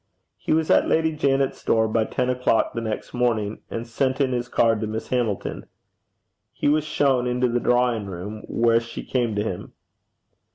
He was at Lady Janet's door by ten o'clock the next morning, and sent in his card to Miss Hamilton. He was shown into the drawing room, where she came to him.